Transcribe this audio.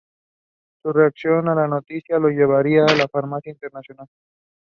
Some film festivals only invite women to attend.